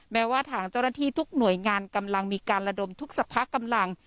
แม้ว่าทางเจ้าหน้าที่ทุกหน่วยงานกำลังมีการระดมทุกสภากำลัง